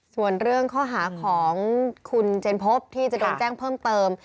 ส่วนเรื่องข้อหาของคุณเจนพบที่จะโดนแจ้งเพิ่มเติม